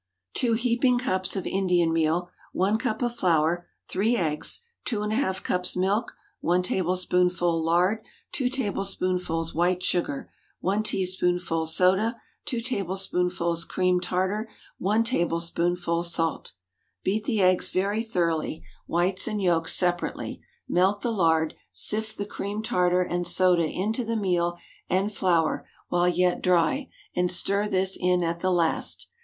✠ 2 heaping cups of Indian meal. 1 cup of flour. 3 eggs. 2½ cups milk. 1 tablespoonful lard. 2 tablespoonfuls white sugar. 1 teaspoonful soda. 2 tablespoonfuls cream tartar. 1 tablespoonful salt. Beat the eggs very thoroughly—whites and yolks separately—melt the lard, sift the cream tartar and soda into the meal and flour while yet dry, and stir this in at the last.